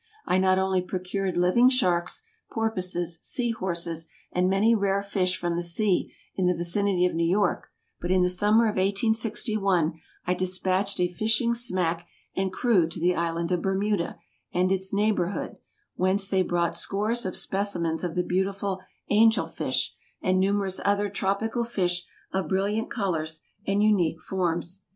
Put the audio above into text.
I not only procured living sharks, porpoises, sea horses, and many rare fish from the sea in the vicinity of New York, but in the summer of 1861, I despatched a fishing smack and crew to the Island of Bermuda and its neighborhood, whence they brought scores of specimens of the beautiful "angel fish," and numerous other tropical fish of brilliant colors and unique forms.